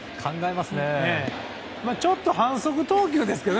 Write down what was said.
ちょっと反則投球ですけどね。